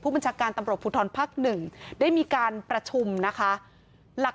บัญชาการตำรวจภูทรภักดิ์๑ได้มีการประชุมนะคะ